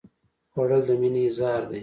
خوړل د مینې اظهار دی